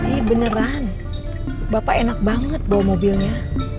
eh beneran bapak enak banget bawa mobilnya